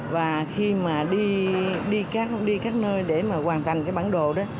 và khi mà đi các nơi để mà hoàn thành cái bản đồ đó